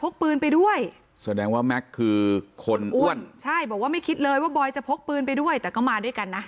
คือคนอ้วนใช่บอกว่าไม่คิดเลยว่าบอยจะพกปืนไปด้วยแต่ก็มาด้วยกันนะ